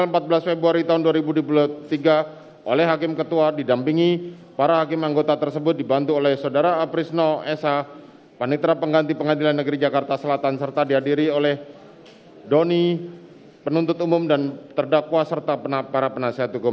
tujuh menetapkan terdakwa di dalam tahanan